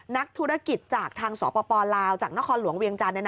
นักธุรกิจจากทางสปลาวจากนครหลวงเวียงจันทร์